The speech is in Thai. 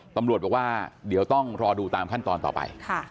ตำรวจบอกว่าเดี๋ยวต้องรอดูตามขั้นตอนต่อไป